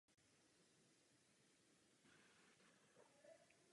Pro praktické použití je vhodná znalost některých často používaných momentů setrvačnosti.